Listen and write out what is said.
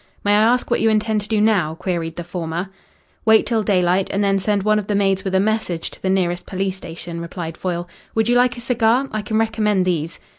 "May I ask what you intend to do now?" queried the former. "Wait till daylight and then send one of the maids with a message to the nearest police station," replied Foyle. "Would you like a cigar? I can recommend these."